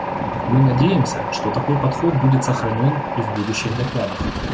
Мы надеемся, что такой подход будет сохранен и в будущих докладах.